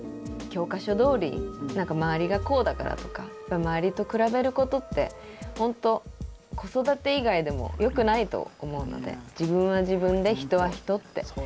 教科書どおり周りがこうだからとか周りと比べることってほんと子育て以外でもよくないと思うので「自分は自分で人は人」って。